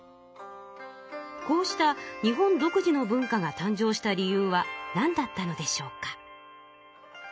こうした日本独自の文化が誕生した理由はなんだったのでしょうか？